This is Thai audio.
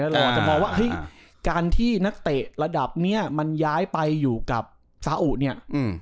เราอาจจะมองว่าเฮ้ยการที่นักเตะระดับเนี้ยมันย้ายไปอยู่กับซาอุเนี่ย